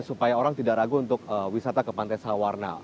supaya orang tidak ragu untuk wisata ke pantai sawarna